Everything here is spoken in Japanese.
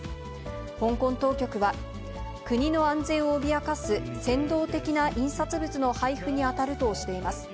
香港当局は、国の安全を脅かす扇動的な印刷物の配布に当たるとしています。